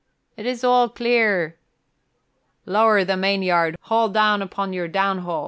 "It is all clear." "Lower the main yard haul down upon your down haul."